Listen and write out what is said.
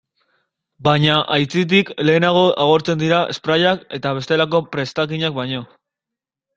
Baina, aitzitik, lehenago agortzen dira sprayak eta bestelako prestakinak baino.